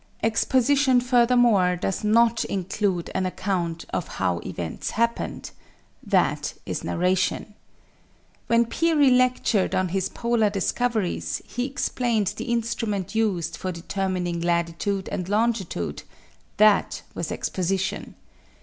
Exposition furthermore does not include an account of how events happened that is narration. When Peary lectured on his polar discoveries he explained the instruments used for determining latitude and longitude that was exposition.